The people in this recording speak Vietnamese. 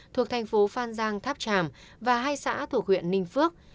thuộc thành phố phan giang tháp tràm và hai xã thuộc huyện ninh phước